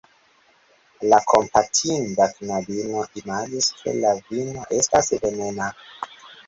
La kompatinda knabino imagis, ke la vino estas venena.